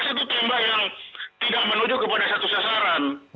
glock itu tembak yang tidak menuju kepada satu sasaran